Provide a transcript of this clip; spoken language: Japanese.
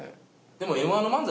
でもＭ−１漫才